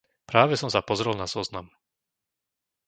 Práve som sa pozrel na zoznam.